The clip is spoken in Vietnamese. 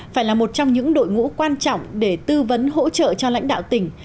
phải là một trong những đội ngũ quan trọng để tư vấn hỗ trợ cho lãnh đạo tỉnh